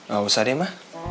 gak usah deh ma